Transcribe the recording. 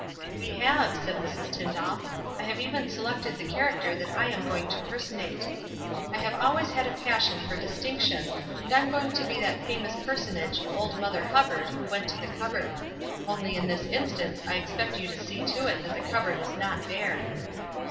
"We have," said Mrs. Tyndall. "I have even selected the character that I am going to per sonate. I have always had a passion for dis tinction, and I am going to be that famous personage, 'Old Mother Hubbard, who went to the cupboard.' Only in this instance I expect you to see to it that the cupboard is not bare."